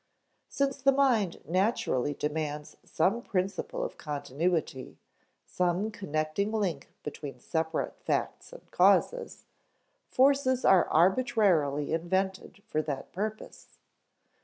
Since the mind naturally demands some principle of continuity, some connecting link between separate facts and causes, forces are arbitrarily invented for that purpose.